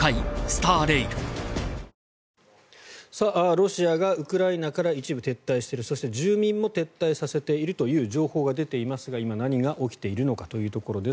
ロシアがウクライナから一部撤退しているそして、住民も撤退させているという情報が出ていますが今、何が起きているのかというところです。